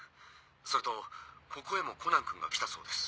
それとここへもコナンくんが来たそうです。